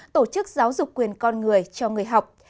tổ chức giáo dục quyền con người cho người học